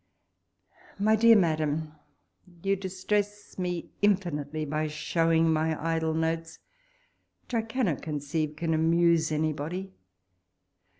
My Dear Madam,— You distress me infinitely by showing my idle notes, which I cannot con ceive can amuse anybody.